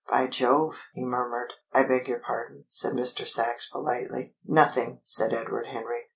"By Jove!" he murmured. "I beg your pardon," said Mr. Sachs politely. "Nothing!" said Edward Henry.